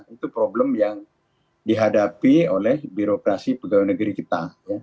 itu problem yang dihadapi oleh birokrasi pegawai negeri kita